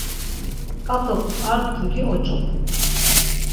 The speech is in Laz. ǩat̆uk ar mtugi oç̌opu.